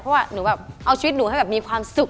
เพราะว่าหนูแบบเอาชีวิตหนูให้แบบมีความสุข